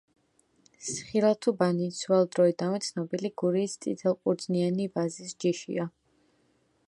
სხილათუბანი ძველ დროიდანვე ცნობილი გურიის წითელყურძნიანი ვაზის ჯიშია.